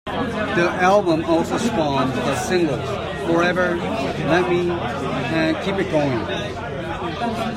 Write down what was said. The album also spawned the singles "Forever", "Let Me", and "Keep It Going".